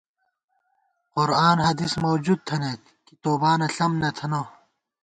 قرآن حدیث موجود تھنَئیت کی توبانہ ݪم نہ تھنہ